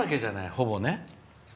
ほぼね。